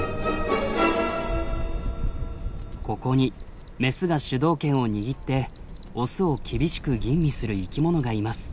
ここにメスが主導権を握ってオスを厳しく吟味する生きものがいます。